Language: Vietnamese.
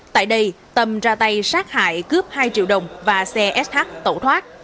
tại đây tâm ra tay sát hại cướp hai triệu đồng và xe sh tẩu thoát